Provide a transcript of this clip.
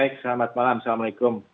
baik selamat malam assalamualaikum